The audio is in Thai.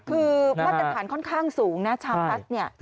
คือมาตรฐานค่อนข้างสูงนะชามพลัสเนี่ย